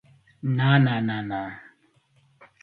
She studied Russian and German at the University of Cambridge.